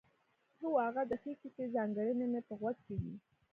هو هغه د ښې کیسې ځانګړنې مې په غوږ کې وې.